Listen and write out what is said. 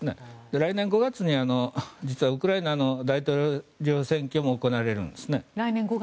来年５月に実はウクライナの大統領選挙も行われるんですね。